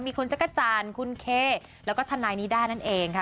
มีคุณจักรจันทร์คุณเคแล้วก็ทนายนิด้านั่นเองค่ะ